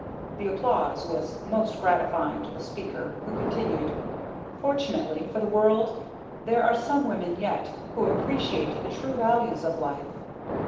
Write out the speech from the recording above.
The applause was most gratifying to the speaker, who continued: "Fortunately for the world there are some women yet who appreciate the true values of life."